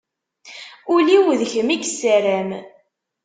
Ul-iw d kem i yessaram.